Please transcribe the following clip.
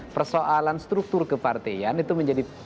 persoalan struktur kepartian itu menjadi